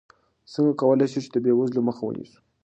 څنګه کولی شو د بېوزلۍ مخه ونیسو؟